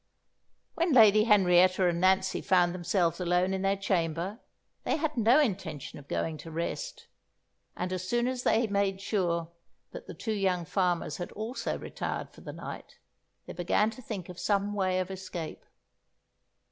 When Lady Henrietta and Nancy found themselves alone in their chamber they had no intention of going to rest, and as soon as they made sure that the two young farmers had also retired for the night, they began to think of some way of escape.